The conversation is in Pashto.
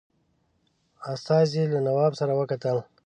استازي له نواب سره وکتل.